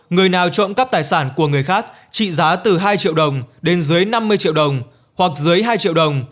người nào trộm cắp tài sản của người khác trị giá từ hai triệu đồng đến dưới năm mươi triệu đồng hoặc dưới hai triệu đồng